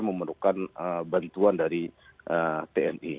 memerlukan bantuan dari tni